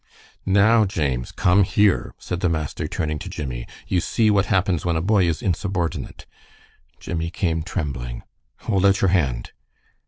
"Now, James, come here!" said the master, turning to Jimmie. "You see what happens when a boy is insubordinate." Jimmie came trembling. "Hold out your hand!"